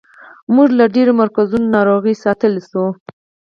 موږ له ډېرو مرګونو ناروغیو ساتلی شو.